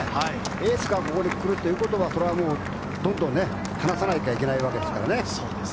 エースがここに来るということはそれはもうどんどん離さないといけないわけですからね。